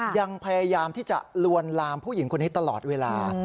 ยังพยายามที่จะลวนลามผู้หญิงคนนี้ตลอดเวลา